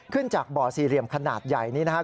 จากบ่อสี่เหลี่ยมขนาดใหญ่นี้นะครับ